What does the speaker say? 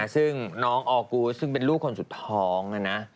ซึ่งน้องออกูสซึ่งเป็นลูกคนสุดท้องนะนะ